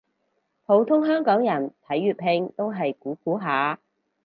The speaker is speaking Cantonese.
普通香港人睇粵拼都係估估下